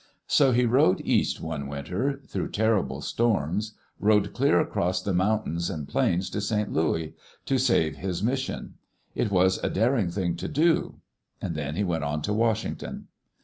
So he rode east one winter, through terrible storms — rode clear across the mountains and plains to St. Louis to save his mission. It was a daring thing to do. Then he went on to Washington.